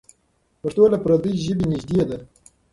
پښتو له پردۍ ژبې نږدې ده.